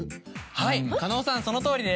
はい狩野さんそのとおりです！